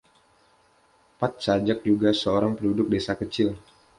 Pat Sajak juga seorang penduduk Desa Kecil.